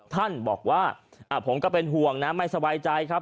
ท่านบอกว่าผมก็เป็นห่วงนะไม่สบายใจครับ